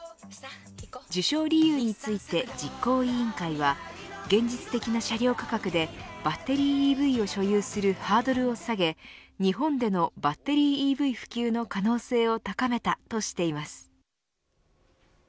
受賞理由について実行委員会は現実的な車両価格でバッテリーＥＶを所有するハードルを下げ日本でのバッテリーＥＶ普及の可能性を高めたとしています。